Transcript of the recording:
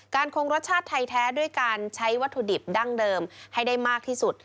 คงรสชาติไทยแท้ด้วยการใช้วัตถุดิบดั้งเดิมให้ได้มากที่สุด